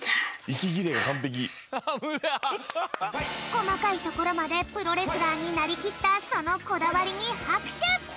こまかいところまでプロレスラーになりきったそのこだわりにはくしゅ！